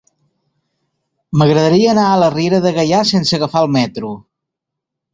M'agradaria anar a la Riera de Gaià sense agafar el metro.